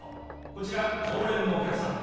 こちら常連のお客さん。